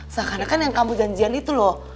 seakan akan yang kamu janjian itu loh